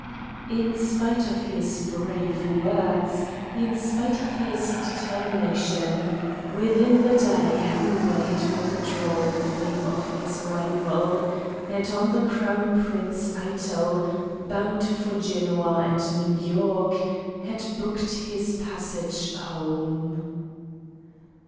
In spite of his brave words, in spite of his determination, within the day Hemingway had withdrawn in favor of his rival, and, on the Crown Prince Eitel, bound for Genoa and New York, had booked his passage home.